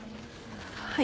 はい。